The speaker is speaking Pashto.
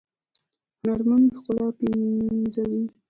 هنرمند ښکلا پنځوي